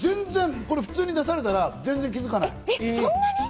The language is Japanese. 普通に出されたら全然気づかない。